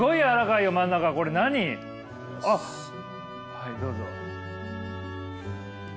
はいどうぞ。